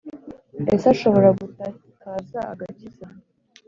ese ashobora gutakaza agakiza?